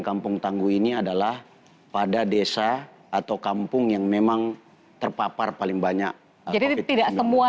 kampung tangguh ini adalah pada desa atau kampung yang memang terpapar paling banyak covid sembilan belas